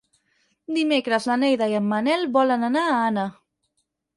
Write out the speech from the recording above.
Dimecres na Neida i en Manel volen anar a Anna.